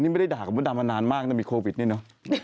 เออนี่ไม่ได้ด่าของพะดำมานานมากนะมีโควิดนี่นะ